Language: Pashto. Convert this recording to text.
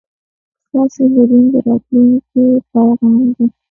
ستاسو ګډون د راتلونکي پیغام دی.